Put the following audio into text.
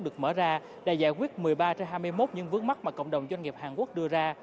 được mở ra đã giải quyết một mươi ba trên hai mươi một những vướng mắt mà cộng đồng doanh nghiệp hàn quốc đưa ra